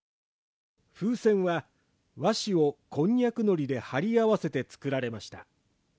風船は、和紙をこんにゃくのりで貼り合わせて作られました。